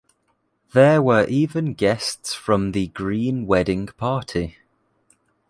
There were even guests from the green wedding party.